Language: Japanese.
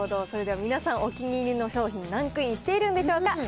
それでは皆さん、お気に入りの商品、ランクインしているんでしょうか。